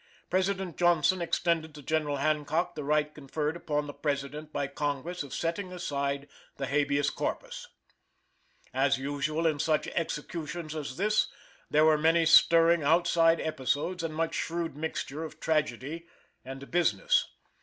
President Johnson extended to General Hancock the right conferred upon the President by Congress of setting aside the habeas corpus. As usual in such executions as this, there were many stirring outside episodes, and much shrewd mixture of tragedy and business.